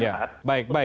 ya baik baik